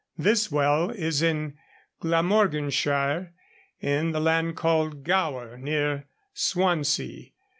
This well is in Glamorganshire, in the land called Gower, near Swansea.